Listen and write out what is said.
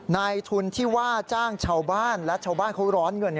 นายทุนที่ว่าจ้างชาวบ้านและชาวบ้านเขาร้อนเงิน